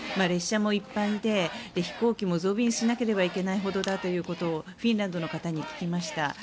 列車もいっぱいで飛行機も増便しなければいけないほどだとフィンランドの方に聞きました。